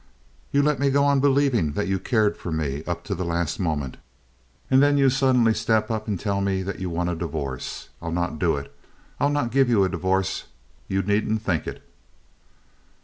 You let me go on believing that you cared for me up to the last moment, and then you suddenly step up and tell me that you want a divorce. I'll not do it. I'll not give you a divorce, and you needn't think it."